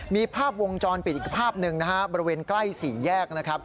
มีภาพวงจรปิดอีกภาพหนึ่งบริเวณใกล้สี่แยก